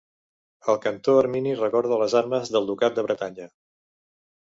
El cantó ermini recorda les armes del Ducat de Bretanya.